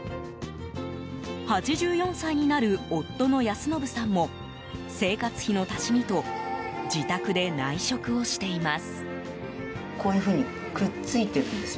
８４歳になる夫の康信さんも生活費の足しにと自宅で内職をしています。